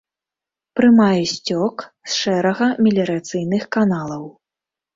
Прымае сцёк з шэрага меліярацыйных каналаў.